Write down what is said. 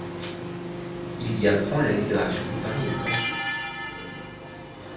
Il y apprend la libération de Paris et Strasbourg.